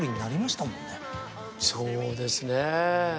そうですね。